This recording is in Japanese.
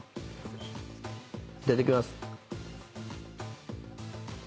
いただきます。